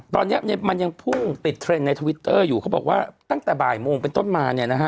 ตอนนี้มันยังพุ่งติดเทรนด์ในทวิตเตอร์อยู่เขาบอกว่าตั้งแต่บ่ายโมงเป็นต้นมาเนี่ยนะฮะ